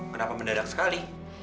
kenapa mendadak sekali